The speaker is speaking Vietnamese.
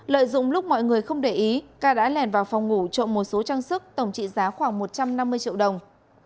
lợi dụng lúc mọi người không để ý ca đã lèn vào phòng ngủ trộm một số trang sức tổng trị giá khoảng một trăm năm mươi triệu đồng